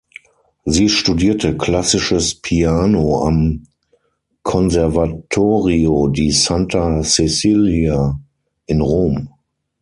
Sie studierte klassisches Piano am "Conservatorio di Santa Cecilia" in Rom.